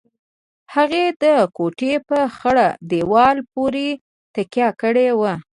هغې د کوټې په خړ دېوال پورې تکيه کړې وه.